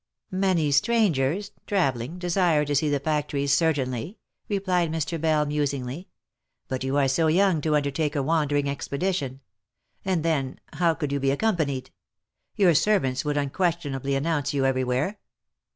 " Many strangers, travelling, desire to see the factories, certainly," replied Mr. Bell, musingly. " But you are so young to undertake a wandering expedition. And then, how could you be accompanied? Your servants would unquestionably announce you every where."